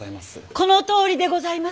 このとおりでございます。